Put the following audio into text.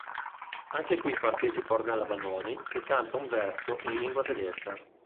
Anche qui partecipa Ornella Vanoni che canta un verso in lingua tedesca.